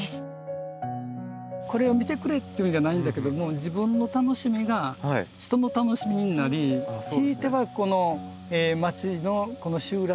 これを見てくれっていうんじゃないんだけども自分の楽しみが人の楽しみになりひいてはこの町のこの集落の景観をつくっている。